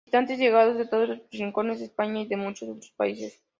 Visitantes llegados de todos los rincones de España y de muchos otros países.